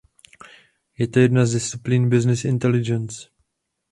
Je to jedna z disciplín Business Intelligence.